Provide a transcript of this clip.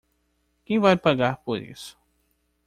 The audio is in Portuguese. Quem vai pagar por isso?